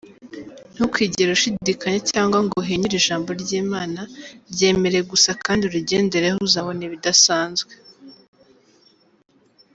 Ntukigere ushidikanya cyangwa ngo uhinyure Ijambo ry’Imana, ryemere gusa kandi urigendereho uzabona ibidasanzwe.